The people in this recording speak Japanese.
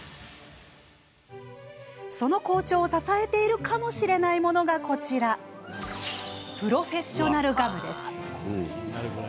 その好調を支えているかもしれないものがこちらプロフェッショナルガムです。